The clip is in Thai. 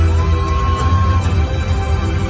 มันเป็นเมื่อไหร่แล้ว